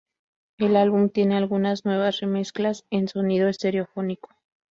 El álbum tiene algunas nuevas remezclas en sonido estereofónico.